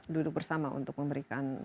duduk bersama untuk memberikan